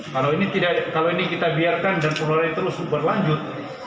kalau ini kita biarkan dan penularan terus berlanjut